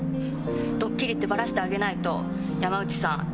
ドッキリってバラしてあげないと山内さん